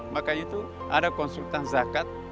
makanya itu ada konsultan zakat